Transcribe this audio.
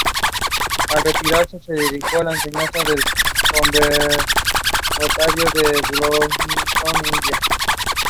He resigned from his White House position the next day.